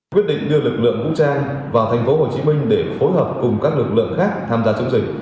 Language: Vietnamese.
quyết định đưa lực lượng vũ trang vào thành phố hồ chí minh để phối hợp cùng các lực lượng khác tham gia chống dịch